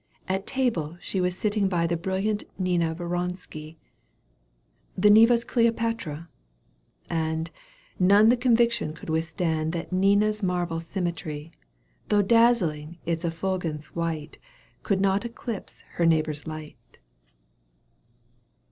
At table she was sitting by The brilliant Nina Voronskoi, The Neva's Cleopatra, and None the conviction could withstand That Nina's marble symmetry, Though dazzling its effulgence white, Could not eclipse her neighbour's light.